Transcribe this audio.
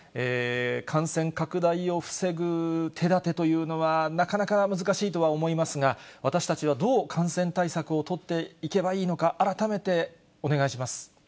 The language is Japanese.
感染拡大を防ぐ手立てというのはなかなか難しいとは思いますが、私たちはどう感染対策を取っていけばいいのか、改めてお願いします。